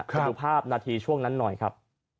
ไปดูภาพนาทีช่วงนั้นหน่อยครับ